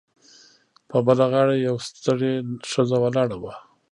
په بله غاړه یوه ستړې ښځه ولاړه وه